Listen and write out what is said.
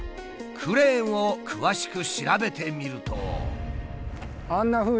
クレーンを詳しく調べてみると。